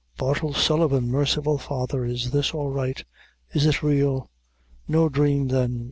"Bartle Sullivan! Merciful Father, is this all right? is it real? No dhrame, then!